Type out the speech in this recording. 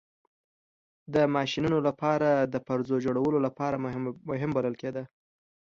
د ماشینونو لپاره د پرزو جوړولو لپاره مهم بلل کېده.